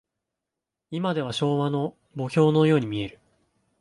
いまでは昭和の墓標のように見える。